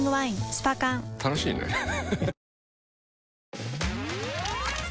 スパ缶楽しいねハハハ